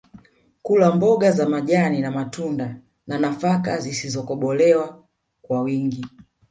Kula mboga za majani na matunda na nafaka zisizokobolewa kwa wingi